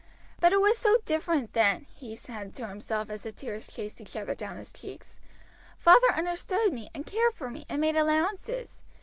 "But it was so different then," he had said to himself as the tears chased each other down his cheeks. "Father understood me, and cared for me, and made allowances.